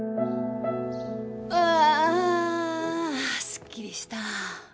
あすっきりした！